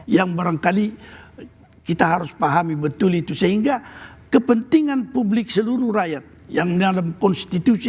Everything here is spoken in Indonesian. yang barangkali kita harus pahami betul itu sehingga kepentingan publik seluruh rakyat yang dalam konstitusi